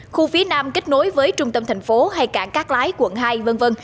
khu phía nam kết nối với trung tâm thành phố hay cảng cát lái quận hai v v